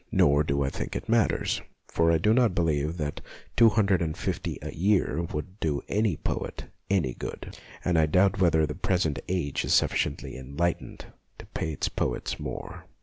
Nor do I think it matters, for I do not believe that two hundred and fifty a year would do any poet any good, and I doubt whether the present age is sufficiently en lightened to pay its poets more.